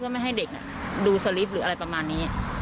มันเป็นศลิฟท์หรืออะไรประมาณนี้